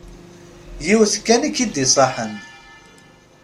Yiwet kan i k-id-iṣaḥen.